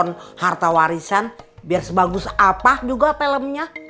sini si netron arta warisan biar sebagus apa juga filmnya